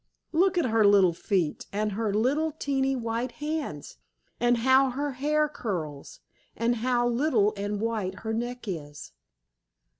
Look at her little feet, and her little teenty white hands, and how her hair curls, and how little and white her neck is!"